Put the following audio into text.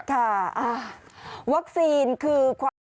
ค่ะอ่าวัคซีนคือความ